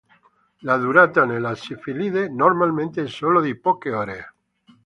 La durata nella sifilide normalmente è solo di poche ore.